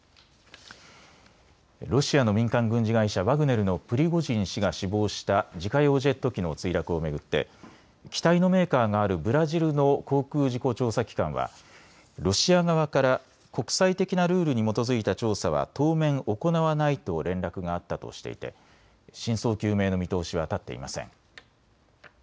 ロシアの民間軍事会社、ワグネルのプリゴジン氏が死亡した自家用ジェット機の墜落を巡って機体のメーカーがあるブラジルの航空事故調査機関はロシア側から国際的なルールに基づいた調査は当面、行わないと連絡があったとしていて真相究明の見通しは立っていません。